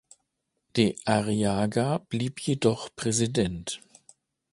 De Arriaga blieb jedoch Präsident.